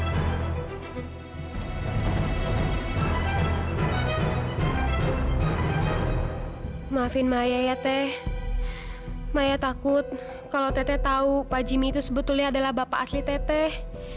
hai maafin maya ya teh maya takut kalau teteh tahu pak jimmy itu sebetulnya adalah bapak asli teteh